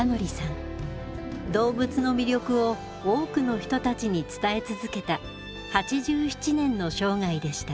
動物の魅力を多くの人たちに伝え続けた８７年の生涯でした。